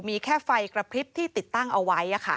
มีแค่ไฟกระพริบที่ติดตั้งเอาไว้